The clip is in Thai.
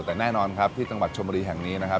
แต่แน่นอนครับที่จังหวัดชมบุรีแห่งนี้นะครับ